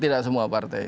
tidak semua partai